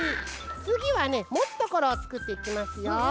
つぎはねもつところをつくっていきますよ。